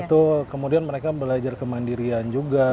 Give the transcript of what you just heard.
betul kemudian mereka belajar kemandirian juga